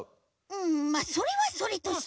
うんまあそれはそれとして。